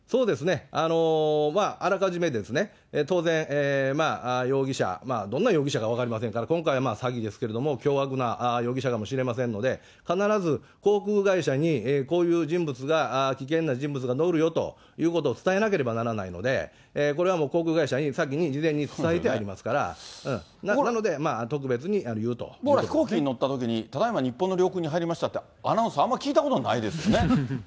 あらかじめ当然、容疑者、どんな容疑者か分かりませんから、今回はまあ、詐欺ですけれども、凶悪な容疑者かもしれませんので、必ず航空会社に、こういう人物が、危険な人物が乗るよということを伝えなければならないので、これはもう航空会社に先に事前に伝えてありますから、なので、特別に言うということですねーひこうきにのったときにただいま日本の領空に入りましたって、アナウンス、あんまり聞いたことないですよね。